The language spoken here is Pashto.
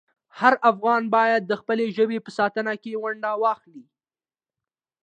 هر افغان باید د خپلې ژبې په ساتنه کې ونډه واخلي.